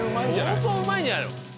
相当うまいんじゃないの？